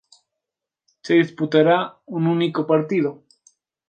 Se disputará a un único partido.